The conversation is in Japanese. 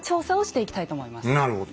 なるほど。